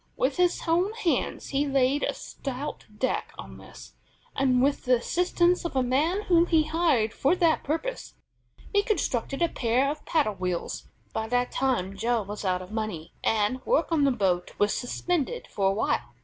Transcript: With his own hands he laid a stout deck on this, and, with the assistance of a man whom he hired for that purpose, he constructed a pair of paddle wheels. By that time Joe was out of money, and work on the boat was suspended for awhile.